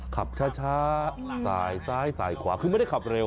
ขับช้าสายซ้ายสายขวาคือไม่ได้ขับเร็ว